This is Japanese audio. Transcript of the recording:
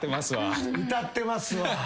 歌ってますわ。